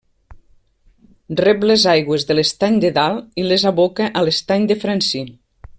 Rep les aigües de l'Estany de Dalt, i les aboca a l'Estany de Francí.